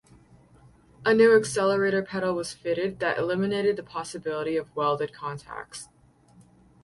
A new accelerator pedal was fitted that eliminated the possibility of welded contacts.